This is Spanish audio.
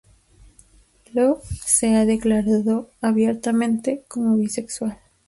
Luv se ha declarado abiertamente como bisexual.